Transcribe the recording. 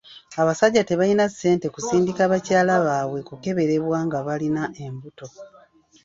Abasajja tebalina ssente kusindika bakyala baabwe kukeberebwa nga balina embuto.